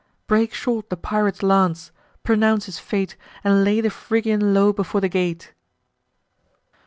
Break short the pirate's lance; pronounce his fate, And lay the Phrygian low before the gate."